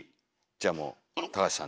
じゃあもう橋さんで。